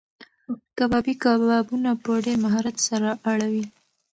کبابي کبابونه په ډېر مهارت سره اړوي.